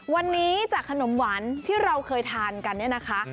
วันนี้จากขนมหวานที่เราเคยทานกันเนี่ยนะคะ